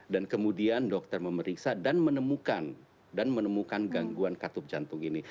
dan kemudian dokter memeriksa dan menemukan gangguan katup jantung ini